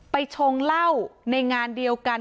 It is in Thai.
ชงเหล้าในงานเดียวกัน